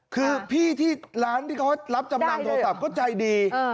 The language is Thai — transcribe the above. คือพี่ที่ร้านที่เขารับจำนำโทรศัพท์ก็ใจดี